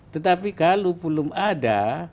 tetapi kalau belum ada